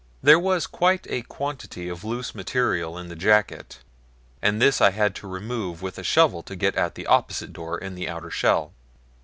There was quite a quantity of loose material in the jacket, and this I had to remove with a shovel to get at the opposite door in the outer shell.